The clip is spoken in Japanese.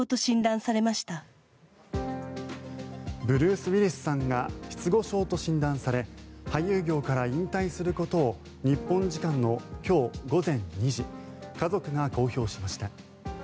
ブルース・ウィリスさんが失語症と診断され俳優業から引退することを日本時間の今日午前２時家族が公表しました。